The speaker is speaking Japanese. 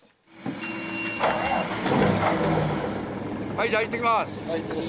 じゃあ、行ってきます。